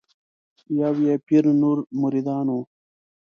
یو یې پیر نور مریدان وي